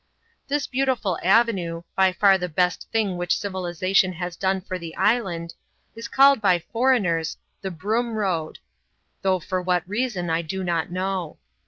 This beautiful avenue — by far the best thing which civiliza tion has done for the island — is called by foreigners " the Broom Road," though for what reason I do not know.